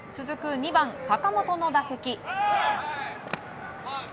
２番、坂本の打席。